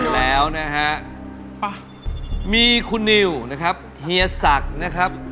แล้วนะฮะมีคุณนิวนะครับเฮียศักดิ์นะครับ